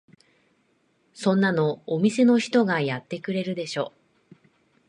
そんなのお店の人がやってくれるでしょ。